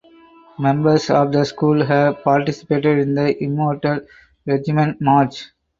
Members of the school have participated in the "Immortal Regiment" march.